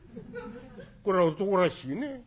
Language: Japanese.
これは男らしいね。